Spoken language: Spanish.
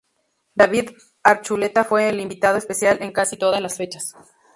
David Archuleta fue el invitado especial en casi todas las fechas.